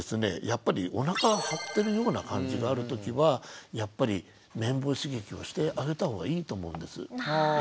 やっぱりおなかが張ってるような感じがある時はやっぱり綿棒刺激をしてあげた方がいいと思うんです。